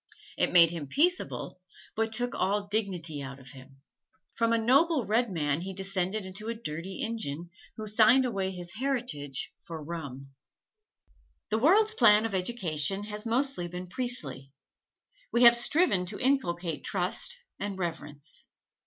It made him peaceable, but took all dignity out of him. From a noble red man he descended into a dirty Injun, who signed away his heritage for rum. The world's plan of education has mostly been priestly we have striven to inculcate trust and reverence.